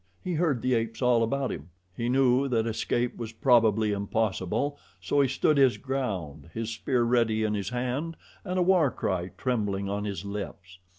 He heard the apes all about him; he knew that escape was probably impossible, so he stood his ground, his spear ready in his hand and a war cry trembling on his lips.